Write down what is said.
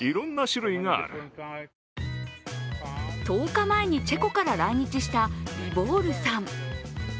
１０日前にチェコから来日したリボールさん。